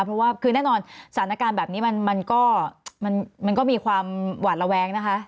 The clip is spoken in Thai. เพราะว่าคือแน่นอนสถานการณ์แบบนี้มันก็มีความหวาดระแวงนะคะ